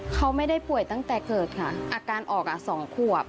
เขาไม่ได้ป่วยตั้งแต่เกิดค่ะอาการออก๒ขวบ